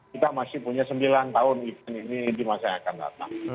kita masih punya sembilan tahun event ini di masa yang akan datang